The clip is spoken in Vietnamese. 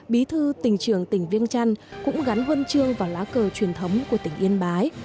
bí thư tỉnh trường tỉnh viêng trăn cũng gắn huân chương vào lá cờ truyền thống của tỉnh yên bái